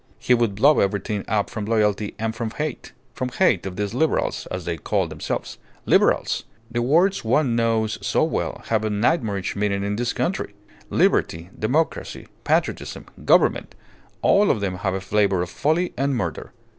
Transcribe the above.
He would blow everything up from loyalty and from hate from hate of these Liberals, as they call themselves. Liberals! The words one knows so well have a nightmarish meaning in this country. Liberty, democracy, patriotism, government all of them have a flavour of folly and murder.